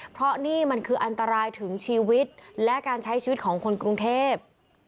เพราะนี่มันคืออันตรายถึงชีวิตและการใช้ชีวิตของคนกรุงเทพ